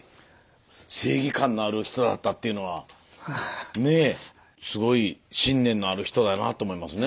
正義感のある人だったっていうのはねえすごい信念のある人やなぁと思いますね。